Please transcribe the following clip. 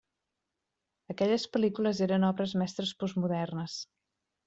Aquelles pel·lícules eren obres mestres postmodernes.